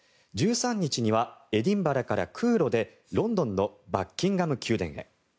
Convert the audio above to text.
１３日にはエディンバラから空路でロンドンのバッキンガム宮殿へ。